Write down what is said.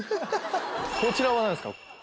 こちらは何ですか？